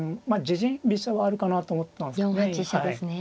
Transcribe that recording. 自陣飛車はあるかなと思ったんですけどね。